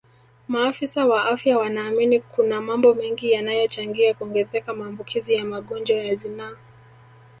Maafisa wa afya wanaamini kuna mambo mengi yanayochangia kuongezeka maambukizi ya magonjwa ya zinaa